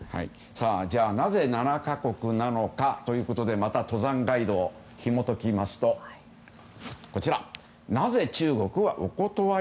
じゃあなぜ７か国なのかということでまた登山ガイドをひも解くとなぜ中国はおことわり？